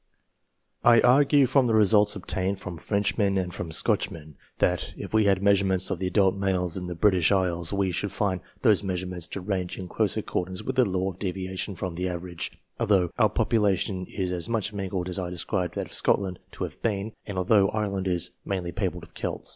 I argue from the results obtained from Frenchmen and m Scotchmen, that, if we had measurements of the .ult males in the British Isles, we should find those measurements to range in close accordance with the law of deviation from an average, although our population is as much mingled as I described that of Scotland to have been, and although Ireland is mainly peopled with Celts.